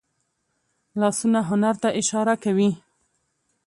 لاسونه هنر ته اشاره کوي